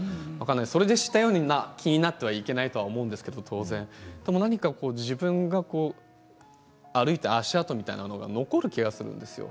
それで知ったような気になってはいけないと思うんですけれども当然でも何か自分が歩いた足跡みたいなものが残る気がするんですよ。